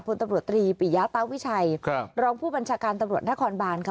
พลตำรวจตรีปิยาตาวิชัยรองผู้บัญชาการตำรวจนครบานค่ะ